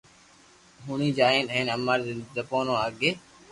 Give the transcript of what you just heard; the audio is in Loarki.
ھوئي جائين ھين اماري زبون آگي